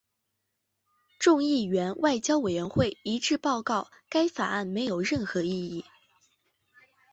众议院外交委员会一致报告该法案没有任何意义。